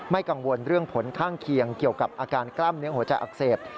กังวลเรื่องผลข้างเคียงเกี่ยวกับอาการกล้ามเนื้อหัวใจอักเสบ